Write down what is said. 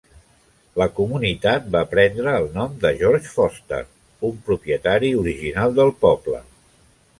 La comunitat va prendre el nom de George Foster, un propietari original del poble.